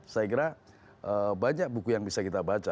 saya kira banyak buku yang bisa kita baca